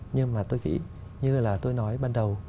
nhưng mà tôi nghĩ như là tôi nói ban đầu